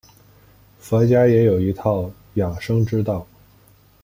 佛家也有一套养生之道。